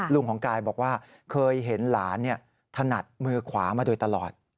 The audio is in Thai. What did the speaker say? ลุงของกายบอกว่าเคยเห็นหลานถนัดมือขวามาโดยตลอด